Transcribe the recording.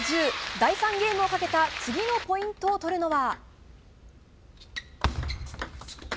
第３ゲームをかけた次のポイントを取るのは。